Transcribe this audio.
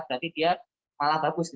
berarti dia malah bagus